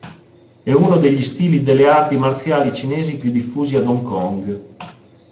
È uno degli stili delle arti marziali cinesi più diffusi ad Hong Kong.